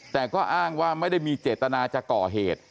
แต่ก็อ้างว่าไม่ได้มีเจตนาจะก่อเหตุ